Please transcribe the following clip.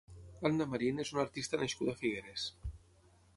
Anna Marín és una artista nascuda a Figueres.